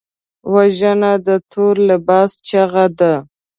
وژنه د تور لباس چیغه ده